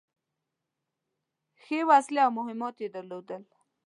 ښې وسلې او مهمات يې درلودل.